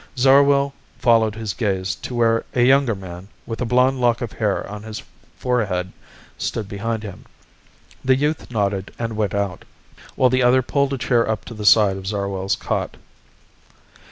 Zarwell followed his gaze to where a younger man, with a blond lock of hair on his forehead, stood behind him. The youth nodded and went out, while the other pulled a chair up to the side of Zarwell's cot.